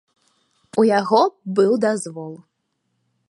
У яго быў дазвол.